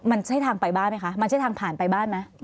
มันใช่ทางไปบ้านไหมคะมันใช่ทางผ่านไปบ้านไหม